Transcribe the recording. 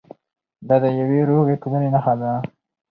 دا د یوې روغې ټولنې نښه ده.